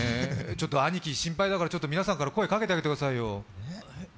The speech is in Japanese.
ちょっと兄貴、心配だから皆さんで声をかけてあげてくださいよ。